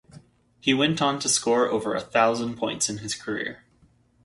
He went on to score over a thousand points in his career.